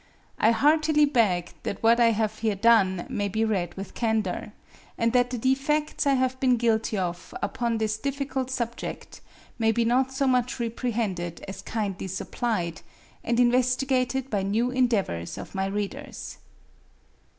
I heartily beg that what I have here done may be read with candor; and that the defects I have been guilty of upon this difficult subject may be not so much reprehended as kindly supplied, and investigated by new endeavors of my readers.